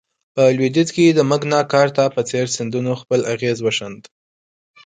په لوېدیځ کې د مګناکارتا په څېر سندونو خپل اغېز وښند.